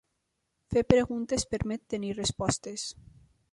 Fer preguntes permet tenir respostes.